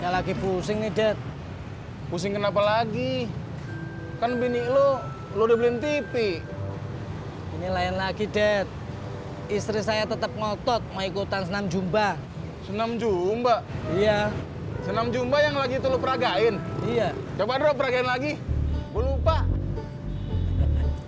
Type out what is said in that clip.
hai lagi pusing ngedet pusing kenapa lagi kan bini lo lo dilihin tipi ini lain lagi dead istri saya tetep ngotot mau ikutan senam jumba senam jumba iya senam jumba yang lagi telur praga in iya coba drobrain lagi lupa gini deh